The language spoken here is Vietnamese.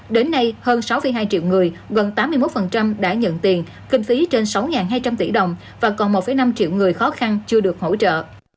đến nay hơn sáu hai triệu người gần tám mươi một đã nhận tiền kinh phí trên sáu hai trăm linh tỷ đồng và còn một năm triệu người khó khăn chưa được hỗ trợ